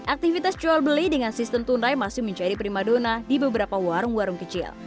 aktivitas jual beli dengan sistem tunai masih menjadi prima dona di beberapa warung warung kecil